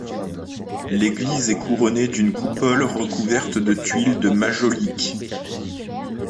L'église est couronnée d'une coupole recouverte de tuiles de majolique.